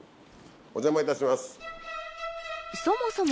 お邪魔いたします。